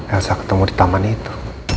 elsa ketemu di taman itu